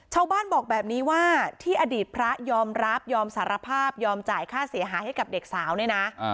ชาวบ้านบอกแบบนี้ว่าที่อดีตพระยอมรับยอมสารภาพยอมจ่ายค่าเสียหายให้กับเด็กสาวเนี่ยนะ